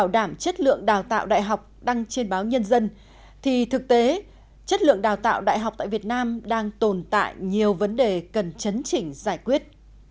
để học đăng trên báo nhân dân thì thực tế chất lượng đào tạo đại học tại việt nam đang tồn tại nhiều vấn đề cần chấn chỉnh giải quyết